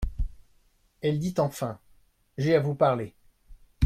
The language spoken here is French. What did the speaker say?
Elle dit enfin : J'ai à vous parler.